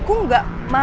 aku nggak mau mah